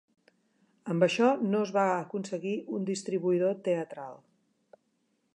Amb això no es va aconseguir un distribuïdor teatral.